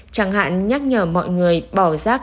chẳng hạn nhắc nhở mọi người bỏ rác